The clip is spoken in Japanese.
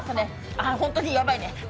あ、ホントにヤバいね。